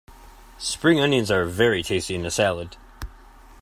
Spring onions are very tasty in a salad